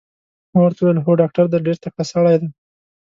ما ورته وویل: هو ډاکټر دی، ډېر تکړه سړی دی.